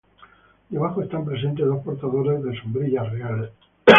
Debajo están presentes dos portadores de sombrillas reales.